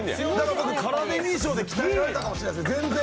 僕、カラデミー賞で鍛えられたかもしれません、全然。